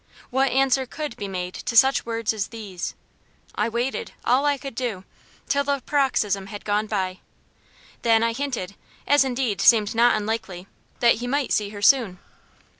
What answer could be made to such words as these? I waited all I could do till the paroxysm had gone by. Then I hinted as indeed seemed not unlikely that he might see her soon.